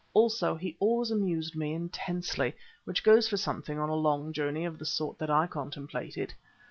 Also, he always amused me intensely, which goes for something on a long journey of the sort that I contemplated.